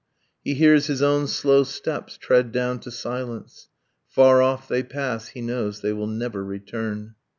. He hears his own slow steps tread down to silence. Far off they pass. He knows they will never return.